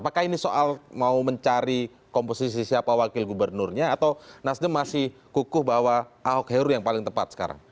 apakah ini soal mau mencari komposisi siapa wakil gubernurnya atau nasdem masih kukuh bahwa ahok heru yang paling tepat sekarang